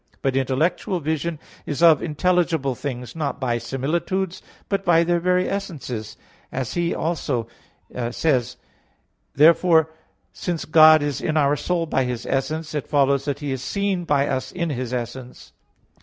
But intellectual vision is of intelligible things, not by similitudes, but by their very essences, as he also says (Gen. ad lit. xiii, 24, 25). Therefore since God is in our soul by His essence, it follows that He is seen by us in His essence.